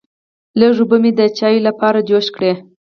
لږې اوبه مې د چایو لپاره جوش کړې.